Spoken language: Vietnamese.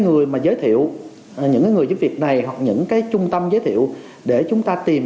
người mà giới thiệu những người giúp việc này hoặc những cái trung tâm giới thiệu để chúng ta tìm